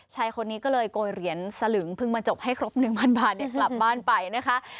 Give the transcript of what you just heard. ชายคนนี้ก็เลยโกยเหรียญสลึงเพิ่งมาจบให้ครบ๑๐๐บาทกลับบ้านไปนะคะ